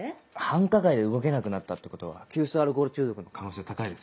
繁華街で動けなくなったってことは急性アルコール中毒の可能性高いですよね。